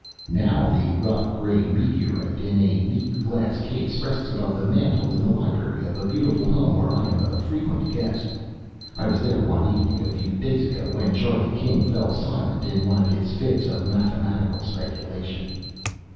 Now the rough gray meteorite, in a neat glass case, rests above the mantel in the library of a beautiful home where I am a frequent guest. I was there one evening, a few days ago, when Charlie King fell silent in one of his fits of mathematical speculation.